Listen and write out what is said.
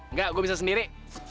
nggak gua bisa sendiri